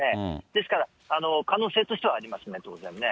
ですから、可能性としてはありますね、当然ね。